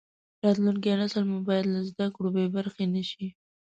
راتلونکی نسل مو باید له زده کړو بې برخې نشي.